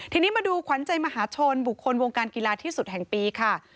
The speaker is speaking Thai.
ทีนี้มาดูขวัญใจมหาชนบุคคลวงการกีฬาที่สุดแห่งปีค่ะ